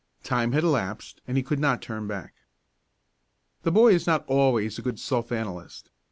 Time had elapsed and he could not turn back. The boy is not always a good self analyst.